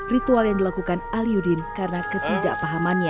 ritual yang dilakukan ali yudin karena ketidakpahamannya